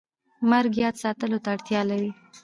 مرګ یاد ساتلو ته اړتیا لري